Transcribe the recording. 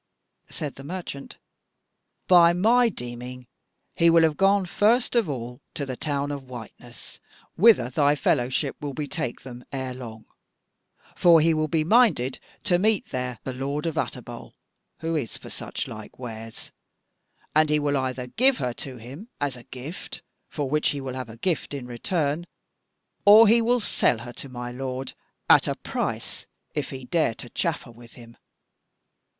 Said the merchant: "By my deeming, he will have gone first of all to the town of Whiteness, whither thy Fellowship will betake them ere long: for he will be minded to meet there the Lord of Utterbol, who is for such like wares; and he will either give her to him as a gift, for which he will have a gift in return, or he will sell her to my lord at a price if he dare to chaffer with him.